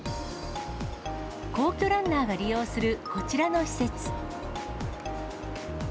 皇居ランナーが利用する、こちらの施設。